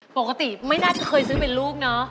ปกติไม่น่าจะเคยซื้อเป็นลูกเนอะ